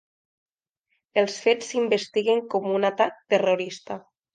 Els fets s’investiguen com un atac terrorista.